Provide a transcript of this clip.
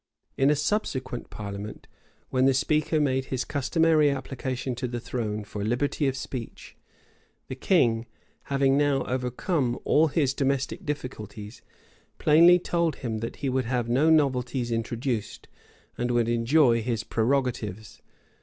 In a subsequent parliament, when the speaker made his customary application to the throne for liberty of speech, the king, having now overcome all his domestic difficulties, plainly told him that he would have no novelties introduced, and would enjoy his prerogatives.